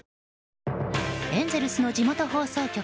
エンゼルスの地元放送局